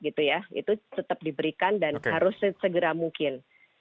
itu tetap diberikan dan harus segera mungkin